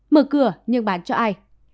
mở cửa nhưng bán cho ai